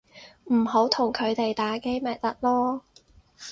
唔好同佢哋打機咪得囉